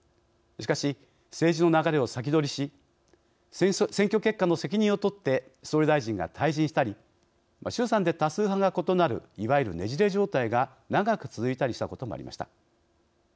しかし政治の流れを先取りし選挙結果の責任を取って総理大臣が退陣したり衆参で多数派が異なるいわゆるねじれ状態が長く続いたりしたこともありました。